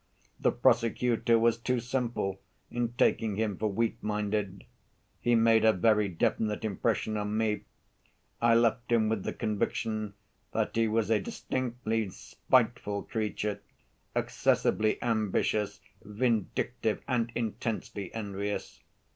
The prosecutor was too simple in taking him for weak‐minded. He made a very definite impression on me: I left him with the conviction that he was a distinctly spiteful creature, excessively ambitious, vindictive, and intensely envious.